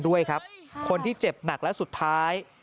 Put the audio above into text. ด้วยครับคนที่เจ็บหนักและสุดท้าย